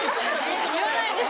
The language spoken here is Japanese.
言わないです